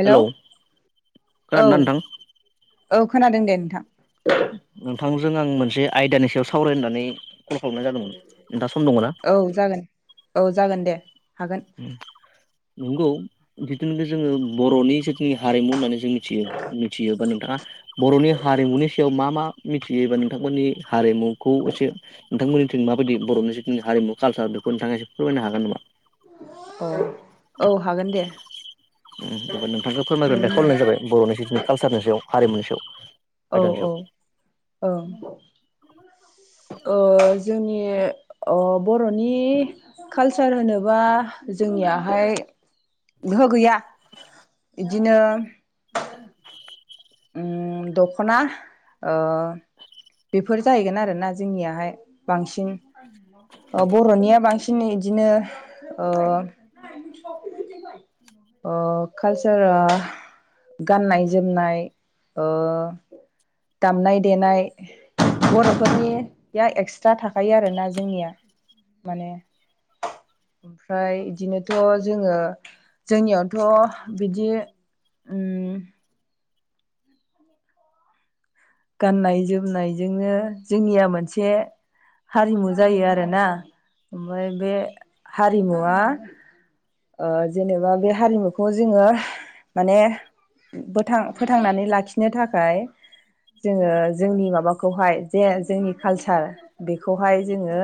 हेल' hello औ खोनादोंना नोंथां औ खोनादों दे नोंथां। नोंथांजों आं मोनसे आयदानि सायाव सावरायनो होननानै कल खालामनाय जादोंमोन नोंथाङा सम दङना? औ जागोन औ जागोन दे हागोन नंगौ। जिथुनिखि जोङो बर'नि जथुनि हारिमु होननानै जों मिथियो मिथियो बा नोंथाङा बर'नि हारि हारिमुनि सायाव मा मा मिथियोबा नोंथांमोननि हारिमुखौ एसे नोंथांमोननि माबायदि बर'नि जिथुनि हारिमु कालसार बेखौ नोंथाङा एसे फोरमायनो हागोन नामा? औ औ हागोन दे। उम एबार नोंथांखौ फोरमायग्रोनो थाखाय खावलायनाय जाबाय बर'नि जथुनिखि कालसारनि सायाव हारिमुनि सायाव। औ आयदानि सायाव औ औ। [inaudible] ओ जोंनि ओ बर'नि कालसार होनोबा जोंनियाहाय गोहो गैया बिदिनो उम दख'ना ओ बेफोर जाहैगोन आरोना जोंनियाहाय बांसिन ओ बर'निया बांसिनै बिदिनो ओ ओ कालसारा गाननाय जोमनाय ओ दामनाय देनाय बर'फोरनिया एक्सट्रा थाखायो आरो ना जोंनिया माने ओमफ्राय इदिनोथ' जोङो जोंनियावथ' बिदि ओम। गाननाय जोमनायजोंनो जोंनिया मोनसे हारिमु जायो आरो ना ओमफ्राय बे हारिमुवा ओ जेनेबा बे हारिमुखौ जोङो माने गोथां फोथांनानै लाखिनो थाखाय जोङो जोंनि माबाखौहाय जे जोंनि कालसार बेखौहाय जोङो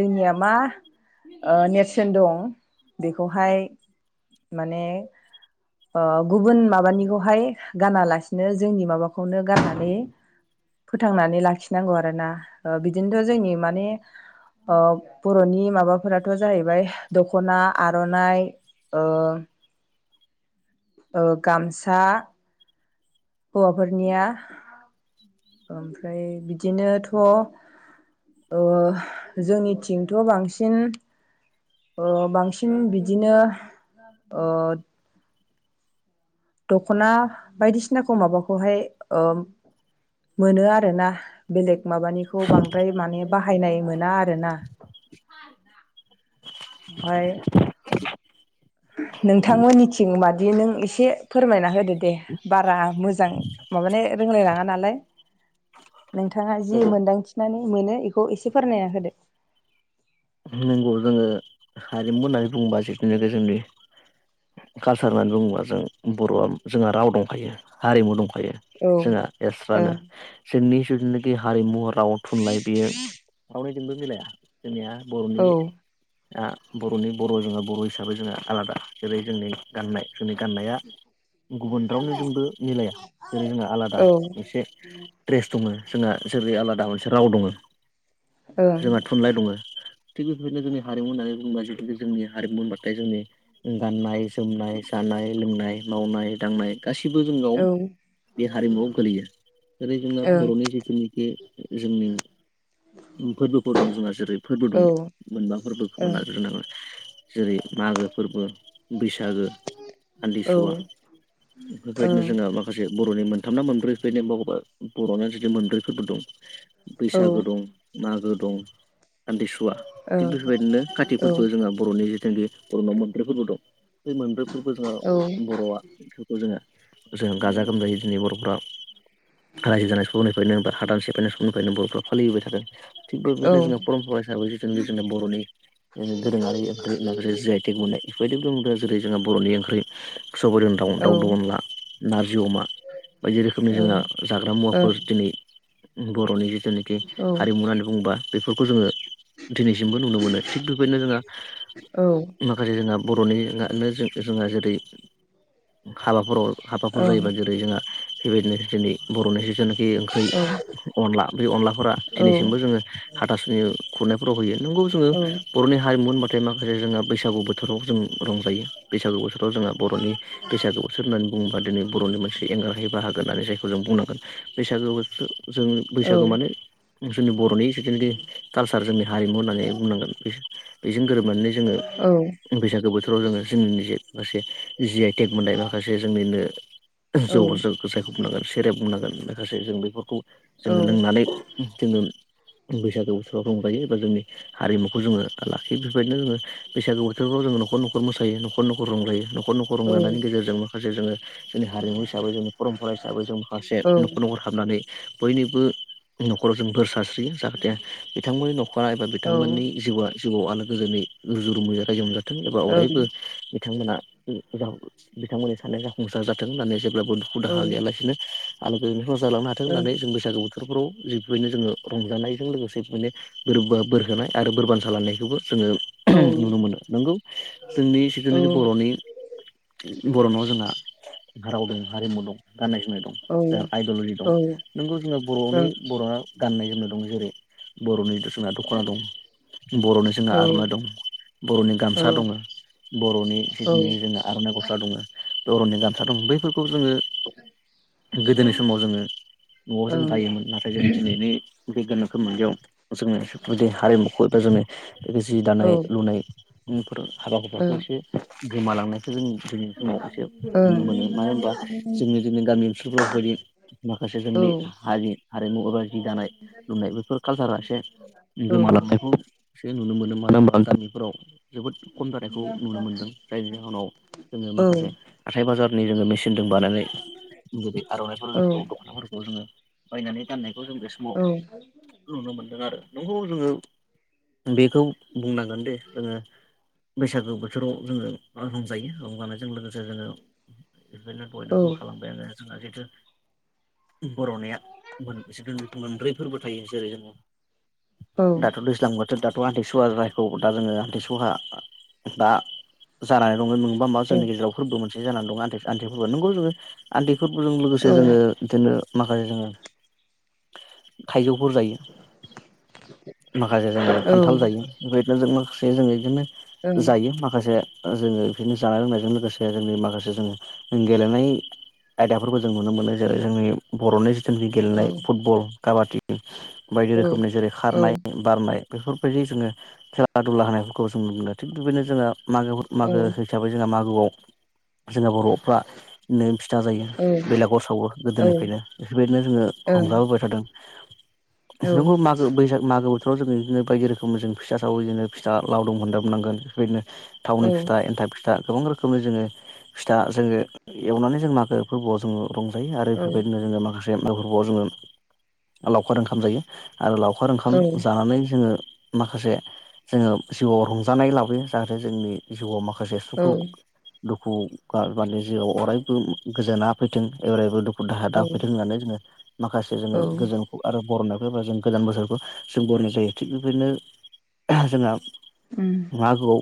जोंनिया मा ओ नेरसोन दं बेखौहाय माने ओ गुबुन माबानिखौहाय गाना लासिनो जोंनि माबाखौनो गाननानै फोथांनानै लाखिनांगौ आरो ना। बिदिनोथ' जोंनि माने ओ बर'नि माबाफोराथ' जाहैबाय दख'ना, आर'नाइ, ओ [inaudible] ओ गामसा, हौवाफोरनिया ओमफ्राय बिदिनोथ' ओ जोंनिथिंथ' बांसिन ओ बांसिन बिदिनो ओ दख'ना बायदिसिनाखौ माबाखौहाय ओ मोनो आरो ना। बेलेग माबानिखौ बांद्राय माने बाहायनाय मोना आरो ना। ओमफ्राय नोंथां‌मोननिथिं मादि नों एसे फोरमायना होदो दे। बारा मोजां माबानो रोंलाय लाङा नालाय [inaudible] नोंथाङा जि नंगौ मोनदांथिनानै मोनो इखौ एसे फोरमायना होदो। नंगौ जोङो हारिमु होननानै बुङोबा जिथुनोखि जोंनि कालसार होननानै बुङोबा जों बर'आ जोंहा राव दंखायो हारिमु दं खायो। औ ओं जोङा एस्रानो औ जोंनि जोंनि बे हारिमु, राव, थुनलाइ बेयो रावनिजोंबो मिलाया। जोंनिया बर'नि आ बर'नि बर' जोङो बर' हिसाबै जोंहा आलादा। जेरै जोंनि गाननाय जोंनि गाननाया गुबुन रावनिदोंबो मिलाया। जेरै जोंना आलादा औ मोनसे द्रेस दङो। जोंहा जेरै आलादा मोनसे राव दङो, ओं जोंहा थुनलाइ दङो। थिग बेफोरबायदिनो जोंनि हारिमु होननानै बुङोबा जितु जोंनि हारिमु होनबाथाय जोंनि गाननाय जोमनाय, जानाय लोंनाय, मावनाय दांनाय, गासिबो जोंनाव औ बे हारिमुवाव गोलैयो। जेरै जोंना ओं बर'नि जिथुनोखि जोंनि फोरबोफोर दं जोंहा जेरै फोरबो दं औ मोनबा फोरबोखौ लाग्रोनांगोन। जेरै मागो फोरबो बैसागो, आमथिसुवा। बेफोर बायदिनो जोंहा माखासे बर'नि मोनथाम ना मोनब्रै [unintelligible] बर'ना जुदि मोनब्रैफोरबो दं बैसागो दं, मागो दं, आमथि थिग बेफोरबायदिनो काति फोरबो जोंहा बर'नि जिथुनाखि बर'नाव मोनब्रै फोरबो दं। बे मोनब्रै फोरबो जोङो बर'आ बिफोरखौ जोङो जों गाजा गोमजायै जोंनि बर'फोरा रायजो जानाय समनिफ्रायनो बा हादान सेफायनाय समनिफ्रायनो बर'फ्रा फालिबोबाय थादों। थिग बेबायदिनो जोंहा परमपरा हिसाबै जितु जोंनि बर'नि ओ दोरोङारि ओंख्रि माखासे जि आइ तेक मोननाय इफोरदि बुङोब्ला जेरै जोङो बर'नि ओंख्रि सबाइजों दाउ दाउदो अनला नार जि अमा बायदि रोखोमनि जोंहा जाग्रा मुवाफोर दिनै बर'नि जेनोखि हारिमु होननानै बुङोबा बेफोरखौ जोङो दिनैसिमबो नुनो मोनो थिग बेबायदिनो जोंहा माखासे जोंहा बर'निनो जोंहा जेरै हाबाफोराव हाबाफोर जायोबा जेरै जोंहा बेबायदिनोसो दिनै बर'निसो जोन जे ओंख्रि अनला बे अनलाफोरा दिनैसिमबो जोङो हाथासुनि खुरनायफोराव होयो नोंगौ जोङो बर'नि हारिमु होनबाथाय माखासे जोंहा बैसागु बोथोराव जों रंजायो बैसागु बोथोर जोंङो बर'नि बैसागु होननानै बुंङोबा दिनै बर'नि मोनसे एंगारहै बाहागो होननानै जायखौ जों बुंनांगोन बैसागो बोथो जों बैसागु माने जोंनि बर'नि जेहथु कालसार जोंनि हारिमु होननानै बुंनांगोन। बिजों गोरोबनानै जोङो बैसागो बोथोराव जोङो जोंनिजे माखासे जिआइटेक मोननाय माखासे जोंनिनो जौ जायखौ जों बुंनांगोन सेरेब बुंनांगोन माखासे जों बेफोरखौ जोङो औ लोंनानै जोङो बैसागु बोथोराव रंजायो। जोंनि हारिमुखौ जोङो लाखि बेफोरबायदिनो जोङो बैसागु बोथोरफ्राव जोङो नखर नखर मोसायो नखर नखर रंजायो। न'खर न'खर रंजानायनि गेजेरजों माखासे जोङो जोंनि हारिमु हिसाबै जोंनि परमपरा हिसाबै जों माखासे न'खर न'खर हाबनानै बयनिबो न'खराव जों बोर सारस्रियो जाहाथे बिथांमोननि नखर बा बिथांमोननि जिउआ जिउआव आलो गोजोनै रुजु रुमुज रायजो मोनजाथों एबा अरायबो बिथांमोना बिथांमोननि साननाया जाफुंसार जाथों होननानै जेब्लाबो दुखु दाहा गैयालासिनो आलो गोजोन संसार जालांनो हाथों होननानै जों बैसागु बोथोरफोराव जि बेबायदिनो जोङो रंजानायजों लोगोसे बेदिनो बोर बोरहोनाय आरो बोरबान सालायनायखौबो जोङो नुनो मोनो नंगौ जोंनि जिनाखि बर'नि बर'ना जोंहा राव दं हारिमु दं गाननाय जोमनाय दं जोंहा आइडिअल'जि दं नोंगौ जोंहा बर'नि बर'आ गाननाय जोमनाय दं जेरै बर'नि जोंहा दख'ना दं, बर'नि जोंहा आर'नाइ दं, बर'नि गामसा दङ, बर'नि जितुनाखि आर'नाइ गस्ला दङ, बर'ननि गामसा दं बैफोरखौ जोङो गोदोनि समाव जोङो न'आव जों दायोमोन नाथाय जोङो दिनैनि बे गोनोखो मुगायाव जोङो बेफोरबायदि हारिमुखौ एबा जोङो जि दानाय लुनायफोर हाबा हुफाखौ एसे गोमालांनो जों दिनैनि समाव एसे नुनो मोनो मानो होनबा जोंनि जोंनि गामि ओनसोलफोराव बेफोरबायदि माखासे जोंनि हारि हारिमु एबा जि दानाय लुनाय बेफोर कालसारा एसे गोमालांनायखौ एसे नुनो मोनो मानो होनबा गामिफोराव जोबोद खम जानायखौ नुनो मोनदों जायनि जाहोनाव जोङो माखासे हाथाइ बाजारनि जोङो मेसिन दङ बानाय जुदि आर'नाइफोर औ ज दख'नाफोरखौ जोङो बायनानै गाननायखौ जों बे समाव नुनो मोनदों आरो नंगौ जोङो बेखौ बुंनांगोन दे जोङो बैसागो बोथोराव जोङो रंजायो रंजानायजों लोगोसे जोङो बायदिनो बयदाव बुंखालांबाय आङो जोंना जिहेतु बर'नेया मोनबेसे मोनब्रै फोरबो थायो जेरै जोङो दाथ दैज्लां बोथ दाथ' आन्थिसुवा जायखौ दा जोङो हान्थिसुवा दा जानानै दङो नोंबा मा जोंनि गेजेराव फोरबो मोनसे जानानै दङ आनथि आन्थि फोरबो नंगौ जोङो आन्थि फोरबोजों लोगोसे जोङो दिनो माखासे जोङो थाइजौफोर जायो। माखासे जोङो खान्थाल जायो बेबायदिनो जों माखासे जोङो बिदिनो जायो माखासे ओ जोङो बिदिनो जानाय लोंनायजों लोगोसे जोंनि माखासे जोङो गेलेनाय आयदाफोरखौ जों नुनो मोनो जेरै जोंनि बर'नि जोंनि गेलेनाय फुटबल काबादि बायदि रोखोमनि जेरै खारनाय बारनाय बेफोरबायदि जोङो खेला दुला होनायफोरखौ जों नुनो मोनो थिग बेबायदिनो जोङो मागोफोर मागो हिसाबै जोंहा मागोआव जोङो बर'फ्रानो फिथा जायो बेलागुर सावो गोदोनिफ्रायनो बेफोरबायदिनो जोङो रंजाबोबाय थादों नोंगौ मागो बैसाग गोजां बोथोराव जोङो बिदिनो बायदि रोखोम जों फिथा सावो बिदिनो फिथा लावदं होनदाबनांगोन बेफोरबायदिनो थावनि फिथा एन्थाब फिथ था गोबां रोखोमनि जोङो फिथा जोङो एवनानै जों मागो फोरबोआव जोङो रंजायो आरो बेफोरबायदिनो जोङो माखासे मागो फोरबोआव जोङो लावखार ओंखाम जायो आरो लावखार फोर ओंखाम जानानै जोङो माखासे जोङो जिउआव रंजानाय लाबोयो जाहाथे जोंनि जिउआव माख खासे सुखु दुखु आ माने जिउआव अरायबो गोजोना फैथों एरायबो दुख खु दाहाया दा फैथों होननानै जोङो माखासे जोङो गोजोनखौ आरो बरनाय फैबा जों गोदान बोसोर बो जों बरनाय जायो थिग बेबायदिनो जोंहा मागोआव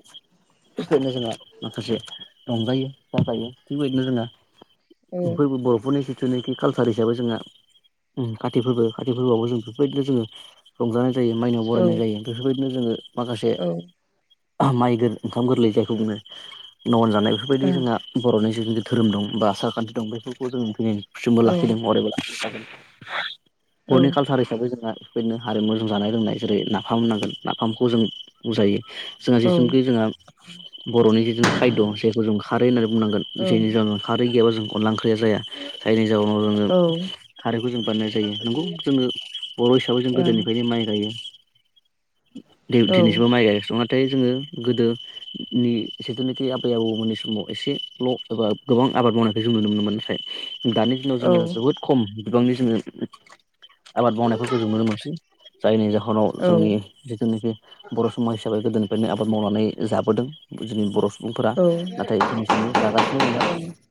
बेदिनो जोंङो माखासे रंजायो बाजायो थिग बेबायदिनो जोङो फोरबो‌ बरफोरनि जुनाखि कालसार हिसाबै जोंहा उम खाथि फोरबो खाति फोरबोआवबो जों बेफोरबायदिनो जोङो रंजानाय जायो माइनाव बरायनाय जायो बेफोरबायदिनो जोङो माखासे माइ गोर ओंखाम गोरलै जायखौ बुङो नन जानाय बेफोरबायदि जोंहा बर'नि जिखुन जो धोरोम दं बा आसारखान्थि दं बेफोरखौ जों फैनायनि खुसुमबो लाखिदों अरायबो लाखिबाय थागोन। बर'नि कालसार हिसाबै जोंहा बेनो। हारिमु जों जानाय लोंनाय जेरै नाफाम होननांगोन नाफामखौ जों बुजाइयो। जोंहा जेसेमखि जोंहा बर'नि जिहेथु खायद' जायखौ जों खारै होननानै बुंनांगोन जायनिजा खारै गैयाब्ला जों अनला ओंख्रिया जाया जायनि जाउनाव जोङो खारैखौ जों बानायनाय जायो नंगौ। जोङो बर' हिसाबै जों गोदोनिफ्रायनो माइ गाइयो। दिनैसिमबो माइ [unintelligible] थाय जोङो गोदोनि जिथुनाखि आबै आबौमोननि समाव एसेल' एबा गोबां आबाद मावनायखौ जों नुनो मोनोमोन नाथाय दानि दिनाव जोङो जोबोद खम बिबांनि जोङो आबाद मावनायफोरखौ जों नुनो मोनसै। जायनि जाहोनाव जोंनि जिथुनाखि बर' समाज हिसाबै गोदोनि बेनो आबाद मावनानै जाबोदों जोंनि बर' सुबुंफोरा नाथाय दिनैसिमबो जागासिनो दङो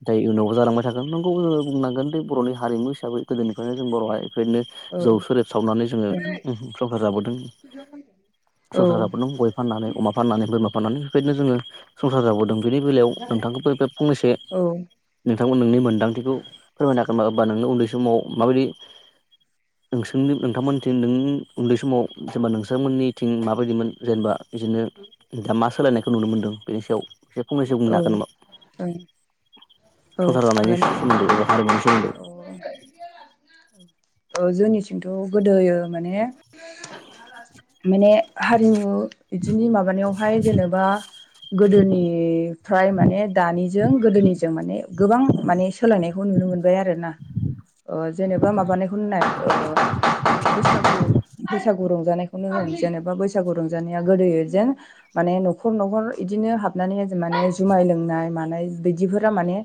दा इयुनाव जालांबाय थागोन नंगौ जोङो बुंनांगोन दि बर'नि हारिमु हिसाबै गोदोनिफ्रायनो जों बर'आहाय फ्रायनो जौ सोरेब सावनानै जोङो उहु संसार जाबोदों संसार जाबोदों गय फाननानै, अमा फाननानै, बोरमा फाननानै बेफोरबादिनो जोङो संसार जाबो दों बेनि बेलायाव नोंथांखौबो बे फंनैसो नोंथांखौ नोंनि मोन्दांथिखौ फोरमायना होनो बा नोंनो उन्दै समाव माबायदि नोंसोरनि नोंथांमोनथिं नों नों उन्दै समाव जेनेबा नोंसांमोननिथिं माबायदिमोन जेनेबा बिदिनो दा मा सोलायनायखौ नुनो मोन्दों बेनि सायाव एसे फंनैसे बुंनो हागोन नामा? संसार जानायनि हागोन सुमोन्दै एबा हारिमुनि सोमोन्दै। औ जोंनिथिंथ' गोदोयो माने माने हारिमु इदिनि माबानायावहाय जेनोबा गोदोनिफ्राय माने दानिजों गोदोनिजों माने गोबां माने सोलायनायखौ नुनो मोनबाय आरो ना। ओ जेनोबा माबानायखौनो नाय ओ बैसागु बैसागु रंजानायखौनो होन जेनेबा बैसागु रजानाया गोदोयो जेन माने न'खर न'खर इदिनो हाबनानैहाय माने जुमाय लोंनाय- मानाय बिदिफोरा माने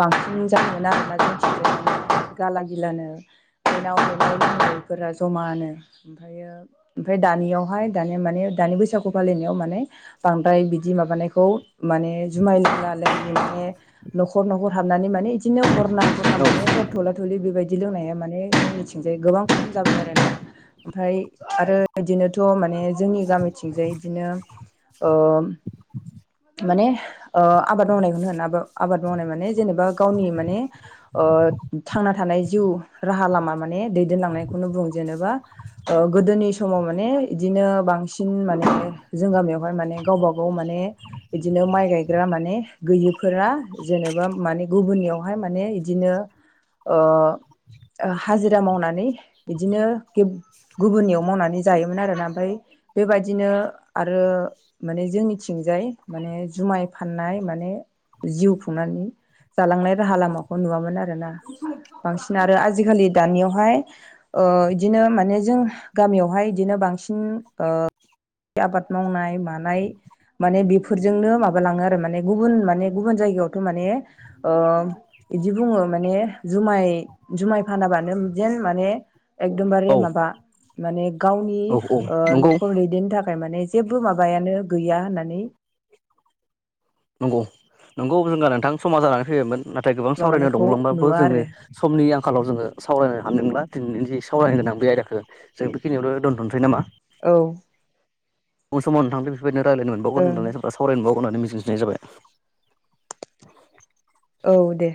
बांसिन जानोनागिरो आरोना जोंथिंजाय [unintelligible] गाला गिलानो बेनाव- बेनाव लोंनायफोरा जमानो ओमफ्रायो ओमफ्राय दानियावहाय दानिया माने दानि बैसागु फालिनायाव माने बांद्राय बिदि माबानायखौ माने जुमाय लोंनानै न'खर - न'खर हाबनानै माने बिदिनो हरना हर औ मान थला थलि बेबायदि बिदि लोंनाया माने जोंनिथिंजाय गोबां खम जाबाय आरोना ओमफ्राय आरो बिदिनोथ' माने जोंनि गामिथिंजाय बिदिनो माने आबाद मावनायखौनो होन आबाद मावनाय माने जेनेबा गावनि माने थांना थानाय जिउ जिउ राहा लामा माने दैदेनलांनायखौनो बुं जेनेबा ओ गोदोनि समाव माने बिदिनो बांसिन माने जों गामियावहाय माने गावबा गाव माने बिदिनो माइ गायग्रा माने गैयिफोरा जेनेबा माने गुबुननियावहाय माने बिदिनो हाजिरा मावनानै बिदिनो गुबुननियाव मावनानै जायोमोन आरोना ओमफ्राय बेबायदिनो आरो माने जोंनिथिंजाय माने जुमाय फाननाय माने जिउ खुंनानै जालांनाय राहा लामाखौ नुवामोन आरोना बांसिन आरो आजिखालि दानियावहाय बिदिनो माने जों गामियावहाय बिदिनो बां- सिन आबाद मावनाय - मानाय माने बे - फोरजोंनो माबालाङो आरो माने गुबुन माने गुबुन जायगायावथ' माने बिदि बुङो माने जुमाय - जुमाय फानाबानो जेन माने औ एकदमबारे माबा माने गावनि औ औ नंगौ न'खर दैदेननो थाखाय माने जेबबो माबायानो गैया होननानै नंगौ- नंगौ जोंगा नोंथां समाज जानानै फैयोमोन नाथाय गोबां सावरायनायाव माबानायखौ दंलांबाबो नुवा जोंनि आरो समनि आंखालाव जोङो सावरायनो हानायनंला सावरायनो गोनां बे आयदाखौ जों बेखिनियावल' दोनथ'नोसै नामा औ उन समाव नोंथांजों बेफोरबायदिनो रायलायनोमोनबावगोन ओं होननानै सावरायनोमोनबाव होननानै मिजिंथिनाय जाबाय औ दे